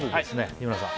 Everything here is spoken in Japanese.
日村さん